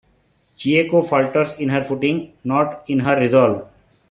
Chieko falters in her footing, not in her resolve.